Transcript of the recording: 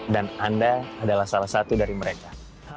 dan anda adalah salah satu dari mereka